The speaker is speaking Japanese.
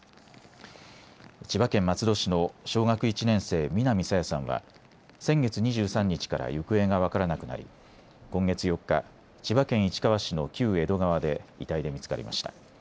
千葉県松戸市の小学１年生、南朝芽さんは先月２３日から行方が分からなくなり今月４日、千葉県市川市の旧江戸川で遺体で見つかりました。